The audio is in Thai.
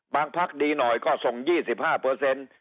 บางพักดีหน่อยก็ส่งยี่สิบห้าเปอร์เซ็นต์